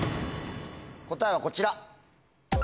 答えはこちら。